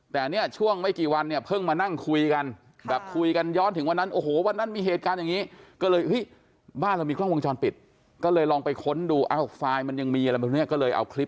แต่เนี่ยช่วงไม่กี่วันเนี่ยเพิ่งมานั่งคุยกันแบบคุยกันย้อนถึงวันนั้นโอ้โหวันนั้นมีเหตุการณ์อย่างนี้